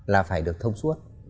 là phải được thông suốt